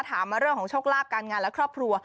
ถามมาเรื่องของโชคลาภการงานและครอบครัว